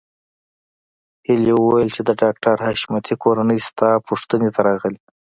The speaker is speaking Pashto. هيلې وویل چې د ډاکټر حشمتي کورنۍ ستا پوښتنې ته راغلې